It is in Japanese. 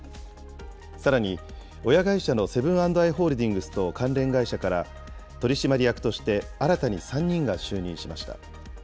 さらに親会社のセブン＆アイ・ホールディングスと関連会社から取締役として新たに３人が就任しました。